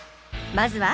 まずは